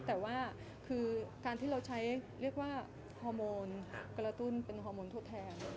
แต่ว่าคือการที่เราใช้เรียกว่าฮอร์โมนกระตุ้นเป็นฮอร์โมนทดแทน